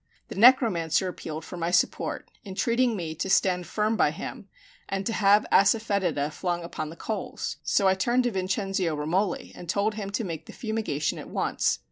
The necromancer appealed for my support, entreating me to stand firm by him, and to have asafetida flung upon the coals; so I turned to Vincenzio Romoli, and told him to make the fumigation at once.